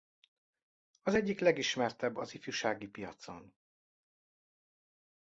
Az egyik legismertebb az ifjúsági piacon.